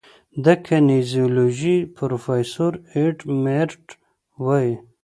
د کینیزیولوژي پروفیسور ایډ میرټ وايي